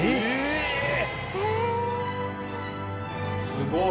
すごい！